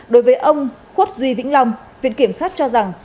đối với ông khuất duy vĩnh long viện kiểm sát cho rằng